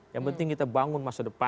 yang penting kita bangun masa depan